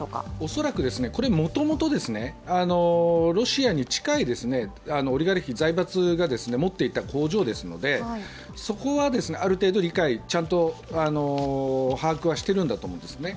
恐らく、これもともとですねロシアに近いオリガルヒ財閥が持っていた工場ですのでそこはある程度理解、ちゃんと把握はしているんだと思うんですね。